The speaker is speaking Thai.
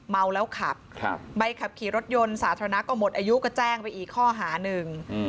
เมาแล้วขับใบขับขี่รถยนต์สาธารณะก็หมดอายุก็แจ้งไปอีกข้อหาหนึ่ง